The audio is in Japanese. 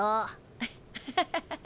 アッハハハ。